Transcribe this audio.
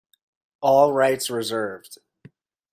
All rights reserved.